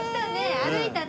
歩いたね